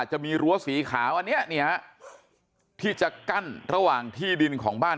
จะมีรั้วสีขาวอันนี้เนี่ยที่จะกั้นระหว่างที่ดินของบ้าน